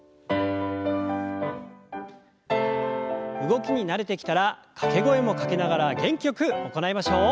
動きに慣れてきたら掛け声もかけながら元気よく行いましょう。